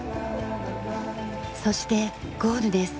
そしてゴールです。